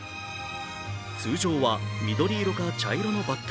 通常は緑色か茶色のバッタ。